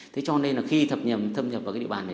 thế cho nên là khi thập nhầm thâm nhập vào cái địa bàn này